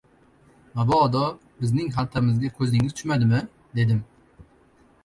— Mabodo, bizning xaltamizga ko‘zingiz tushmadimi? — dedim.